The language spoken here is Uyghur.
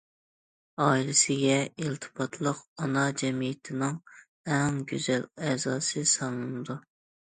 ئائىلىسىگە ئىلتىپاتلىق ئانا جەمئىيەتنىڭ ئەڭ گۈزەل ئەزاسى سانىلىدۇ.